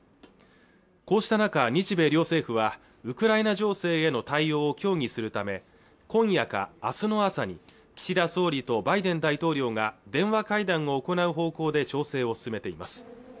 こうした中、日米両政府はウクライナ情勢への対応を協議するため今夜か明日の朝に岸田総理とバイデン大統領が電話会談を行う方向で調整を進めています